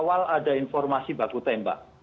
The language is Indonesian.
awal ada informasi baku tembak